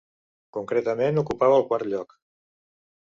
Concretament, ocupava el quart lloc.